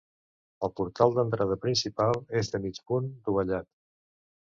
El portal d'entrada principal és de mig punt, dovellat.